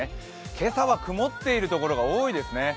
今朝は曇っているところが多いですね。